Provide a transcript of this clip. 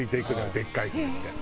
でっかい船って。